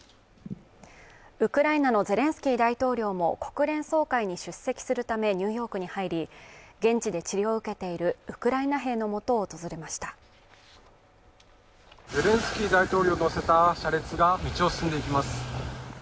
ウクライナのゼレンスキー大統領も国連総会に出席するためニューヨークに入り現地で治療を受けているウクライナ兵のもとを訪れましたゼレンスキー大統領を乗せた車列が道を進んでいきます